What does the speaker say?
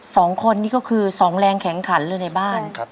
สองคนนี่ก็คือสองแรงแข็งขันเลยในบ้าน